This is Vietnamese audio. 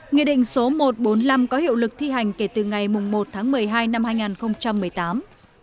nghị định số một trăm bốn mươi năm có hiệu lực thi hành kể từ ngày một tháng một mươi hai năm hai nghìn một mươi tám